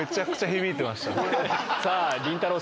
さぁりんたろー。